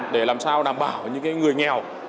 để làm sao đảm bảo những người nghèo